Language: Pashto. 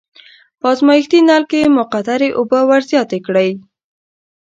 په ازمایښتي نل کې مقطرې اوبه ور زیاتې کړئ.